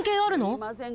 すいません